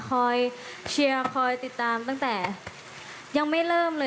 คอยเชียร์คอยติดตามตั้งแต่ยังไม่เริ่มเลย